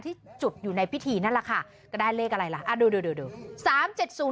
ที่จุดอยู่ในพิธีนั่นแหละค่ะก็ได้เลขอะไรล่ะดู๓๗๐